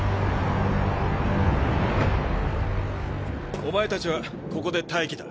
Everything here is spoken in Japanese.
お前たちはここで待機だ。